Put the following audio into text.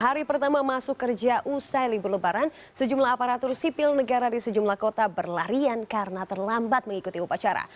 hari pertama masuk kerja usai libur lebaran sejumlah aparatur sipil negara di sejumlah kota berlarian karena terlambat mengikuti upacara